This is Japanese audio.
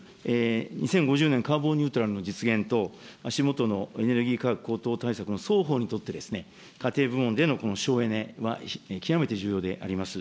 ２０５０年カーボンニュートラルの実現と、足下のエネルギー価格高騰対策の双方にとって、家庭部門での省エネは極めて重要であります。